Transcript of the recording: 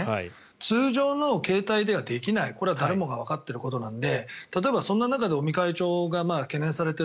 通常の形態ではできないこれは誰もがわかっていることなのでその中で尾身会長が懸念されている